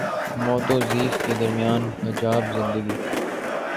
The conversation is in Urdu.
موت و زیست کے درمیاں حجاب زندگی